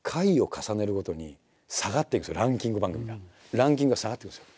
ランキングが下がっていくんですよ。